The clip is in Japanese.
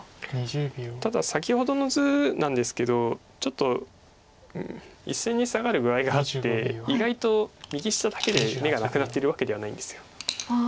ただ先ほどの図なんですけどちょっと１線にサガる具合があって意外と右下だけで眼がなくなってるわけではないんです。